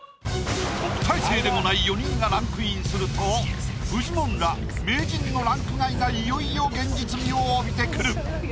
特待生でもない４人がランクインするとフジモンら名人のランク外がいよいよ現実味を帯びてくる。